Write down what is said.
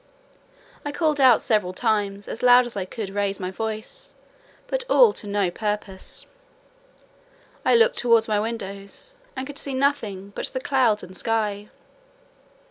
I called out several times, as loud as I could raise my voice, but all to no purpose. I looked towards my windows, and could see nothing but the clouds and sky.